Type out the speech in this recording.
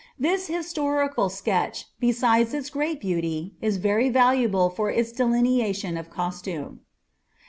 This historical sketch, besides it* flH beauty, is very valuable for its delineation of costume.